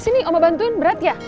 sini mau bantuin berat ya